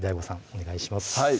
お願いします